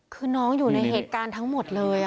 คือน้องอยู่ในเหตุการณ์ทั้งหมดเลย